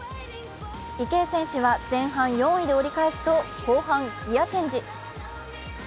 池江選手は前半４位で折り返すと後半ギヤチェンジ。